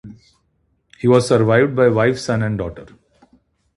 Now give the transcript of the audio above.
He was survived by wife, son and daughter.